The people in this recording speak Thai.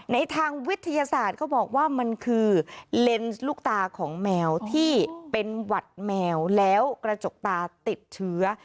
ในทางวิทยาศาสตร์เขาบอกว่ามันคือเลนส์ลูกตาของแมวที่เป็นหวัดแมวแล้วกระจกตาติดเชื้อ